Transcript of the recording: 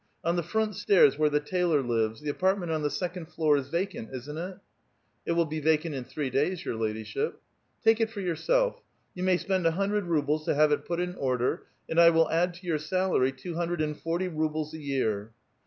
On the front stairs, where the tailor lives, the apartment on the second floor is vacant, isn't it? """ It will be vacant in three days, your ladyship." " Take it for yourself. You may spend a hundred rubles to have it put in order, and 1 will add to your salary two hundred and forty rubles a year."